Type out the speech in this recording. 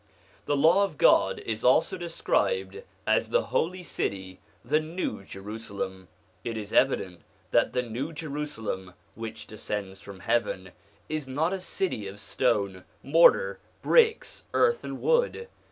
The Law of God is also described as the Holy City, the New Jerusalem. It is evident that the New Jerusalem which descends from heaven is not a city of stone, mortar, bricks, earth, and wood.